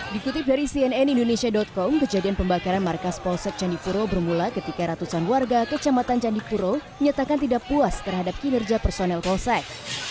dikutip dari cnn indonesia com kejadian pembakaran markas polsek candipuro bermula ketika ratusan warga kecamatan candipuro menyatakan tidak puas terhadap kinerja personel polsek